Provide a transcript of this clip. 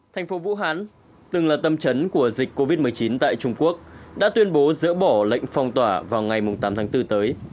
thành phố vũ hán từng là tâm trấn của dịch covid một mươi chín tại trung quốc đã tuyên bố dỡ bỏ lệnh phong tỏa vào ngày tám tháng bốn tới